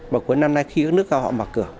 vào cuối năm nay khi các nước cao họ mở cửa